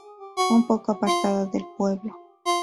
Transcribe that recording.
Un poco apartada del pueblo.